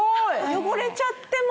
汚れちゃっても。